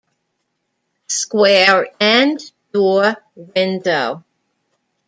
Square end door window.